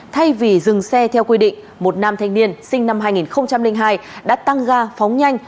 thay vì dừng xe theo quy định một nam thanh niên sinh năm hai nghìn hai đã tăng ga phóng nhanh